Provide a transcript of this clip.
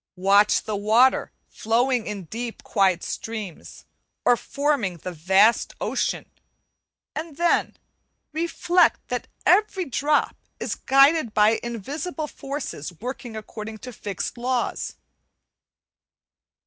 Watch the water flowing in deep quiet streams, or forming the vast ocean; and then reflect that every drop is guided by invisible forces working according to fixed laws.